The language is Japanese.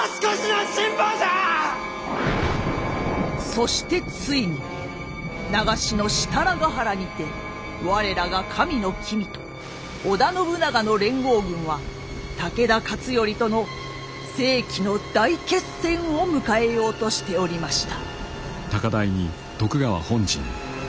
そしてついに長篠設楽原にて我らが神の君と織田信長の連合軍は武田勝頼との世紀の大決戦を迎えようとしておりました。